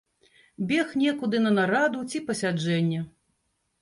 Бег некуды на нараду ці пасяджэнне.